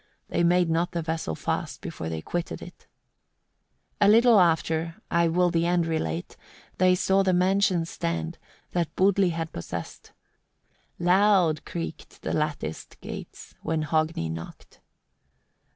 They made not the vessel fast before they quitted it. 36. A little after I will the end relate they saw the mansion stand that Budli had possessed. Loud creaked the latticed gates, when Hogni knocked.